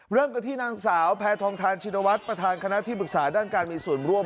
เริ่มกันที่นางสาวแพทองทานชินวัฒน์ประธานคณะที่ปรึกษาด้านการมีส่วนร่วม